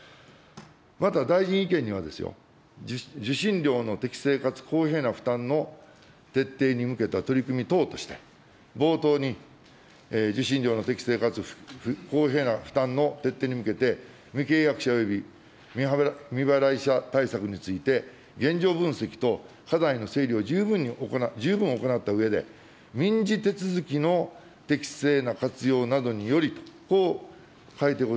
また、大臣意見には、受信料の適正かつ公平な負担の徹底に向けた取り組み等として、冒頭に、受信料の適正かつ公平な負担の徹底に向けて、無契約者および未払い者対策について、現状分析と課題の整理を十分行ったうえで、民事手続きの適正な活用などによりと、こう書いてございます。